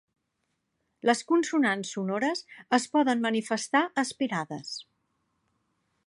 Les consonants sonores es poden manifestar aspirades.